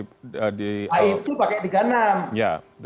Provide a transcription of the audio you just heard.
nah itu pakai tiga puluh enam